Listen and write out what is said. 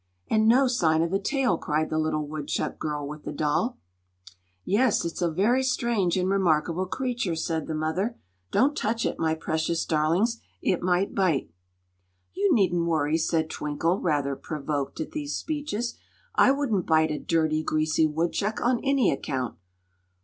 "And no sign of a tail!" cried the little woodchuck girl with the doll. "Yes, it's a very strange and remarkable creature," said the mother. "Don't touch it, my precious darlings. It might bite." "You needn't worry," said Twinkle, rather provoked at these speeches. "I wouldn't bite a dirty, greasy woodchuck on any account!"